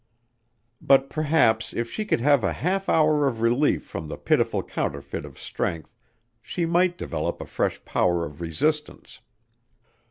But perhaps if she could have a half hour of relief from the pitiful counterfeit of strength she might develop a fresh power of resistance.